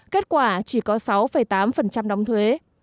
kết quả chỉ có sáu tám đóng thuế